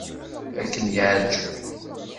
Ad kem-yeɛjeb.